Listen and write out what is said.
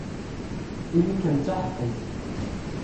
Ili-kem d taḥeqqit!